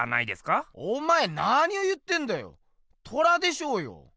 おまえ何を言ってんだよ虎でしょうよ！